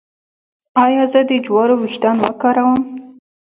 ایا زه د جوارو ويښتان وکاروم؟